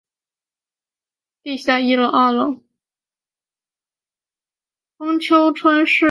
丰丘村是长野县下伊那郡北部的一村。